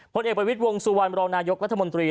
ผลเอกบริวิทวงสุวรรณมรนายกรัฐมนตรี